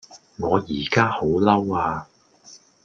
我依家好嬲呀